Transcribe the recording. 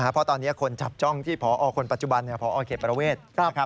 เพราะตอนนี้คนจับจ้องที่พอคนปัจจุบันพอเขตประเวท